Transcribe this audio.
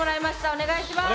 お願いします。